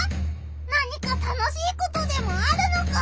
何か楽しいことでもあるのか？